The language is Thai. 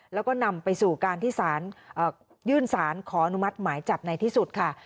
แล้วก็นำไปสู่การที่สารยื่นสารขออนุมัติหมายจับในที่สุดค่ะ